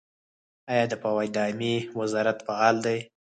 آیا د فواید عامې وزارت فعال دی؟